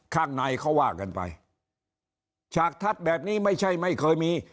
ข้างในเขาว่ากันไปฉากทัศน์แบบนี้ไม่ใช่ไม่เคยมี